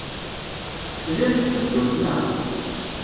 Tesliḍ i tusut, naɣ?